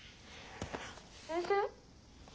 「先生？」。